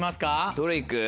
どれ行く？